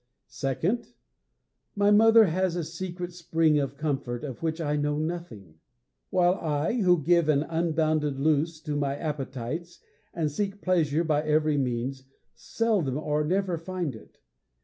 'Second, my mother has a secret spring of comfort of which I know nothing; while I, who give an unbounded loose to my appetites, and seek pleasure by every means, seldom or never find it.